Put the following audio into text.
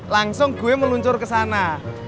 langsung gue meluncur ke sana